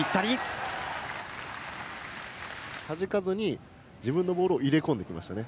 はじかずに自分のボールを入れ込んできましたね。